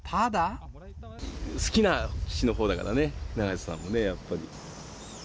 好きな棋士のほうだからね、永瀬さんもね、やっぱり。